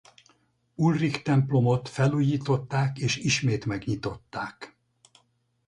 Ulrik-templomot felújították és ismét megnyitották.